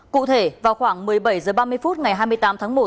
cụ thể vào khoảng một mươi bảy h ba mươi phút ngày hai mươi tám tháng một